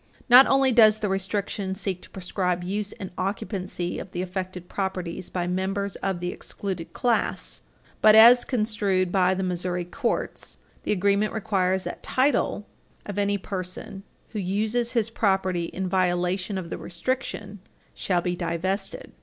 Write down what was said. Not only does the restriction seek to proscribe use and occupancy of the affected properties by members of the excluded class, but, as construed by the Missouri courts, the agreement requires that title of any person who uses his property in violation of the restriction shall be divested.